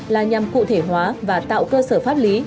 là nhằm cụ thể hóa và tạo cơ sở pháp lý